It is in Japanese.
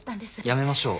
やめましょう。